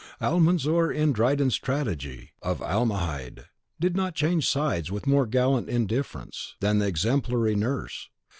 Almanzor, in Dryden's tragedy of "Almahide," did not change sides with more gallant indifference than the exemplary nurse.